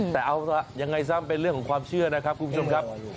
แต่เอายังไงซะมันเป็นเรื่องของความเชื่อนะครับคุณผู้ชมครับ